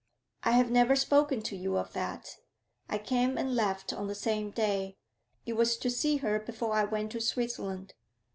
'I have never spoken to you of that. I came and left on the same day, It was to see her before I went to Switzerland.'